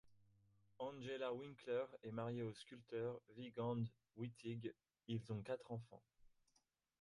Angela Winkler est mariée au sculpteur Wiegand Wittig, ils ont quatre enfants.